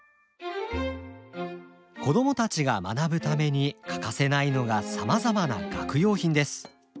子供たちが学ぶために欠かせないのがさまざまな学用品です。